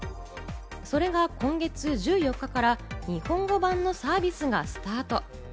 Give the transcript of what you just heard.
それが今月１４日から日本語版のサービスがスタート。